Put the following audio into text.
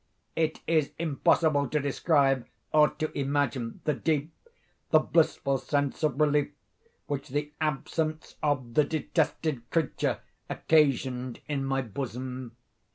It is impossible to describe, or to imagine, the deep, the blissful sense of relief which the absence of the detested creature occasioned in my bosom.